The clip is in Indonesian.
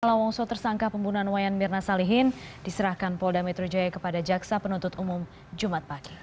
salawongso tersangka pembunuhan wayan mirna salihin diserahkan polda metro jaya kepada jaksa penuntut umum jumat pagi